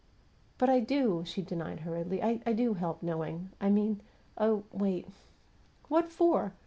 "But I do!" she denied, hurriedly. "I do help knowing. I mean Oh, wait!" "What for?